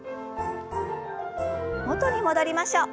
元に戻りましょう。